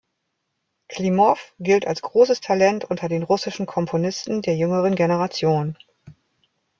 Klimow gilt als großes Talent unter den russischen Komponisten der jüngeren Generation.